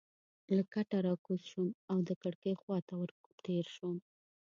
له کټه راکوز شوم او د کړکۍ خوا ته ورتېر شوم.